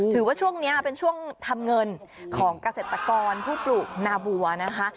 ถือว่าช่วงนี้เป็นช่วงทำเงินของเกษตรกรผู้ปลูกนาบัวนะคะ